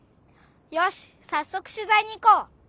よしさっそく取ざいに行こう！